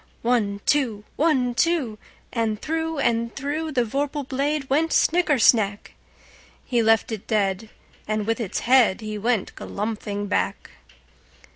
One, two! One, two! And through and throughThe vorpal blade went snicker snack! He left it dead, and with its headHe went galumphing back.